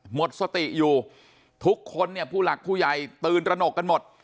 หมดสติอยู่ทุกคนเนี่ยผู้หลักผู้ใหญ่ตื่นตระหนกกันหมด